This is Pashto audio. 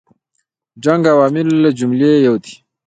جنګ عواملو له جملې یو دی.